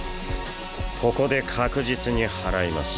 ここで確実に祓います。